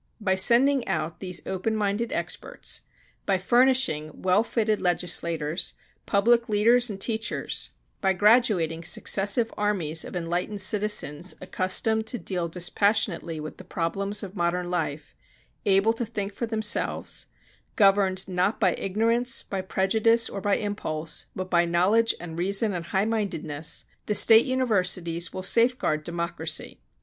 By sending out these open minded experts, by furnishing well fitted legislators, public leaders and teachers, by graduating successive armies of enlightened citizens accustomed to deal dispassionately with the problems of modern life, able to think for themselves, governed not by ignorance, by prejudice or by impulse, but by knowledge and reason and high mindedness, the State Universities will safeguard democracy.